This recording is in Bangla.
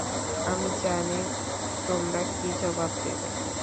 আমি জানি, তোমরা কি জবাব দেবে।